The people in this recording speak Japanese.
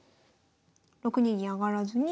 ６二銀上がらずに。